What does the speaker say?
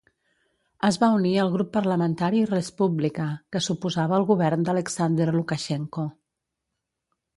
Es va unir al grup parlamentari Respublika que s'oposava al govern d'Aleksandr Lukashenko.